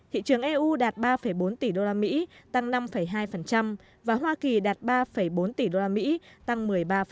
thị trường eu đạt ba bốn tỷ usd tăng năm hai và hoa kỳ đạt ba bốn tỷ usd tăng một mươi ba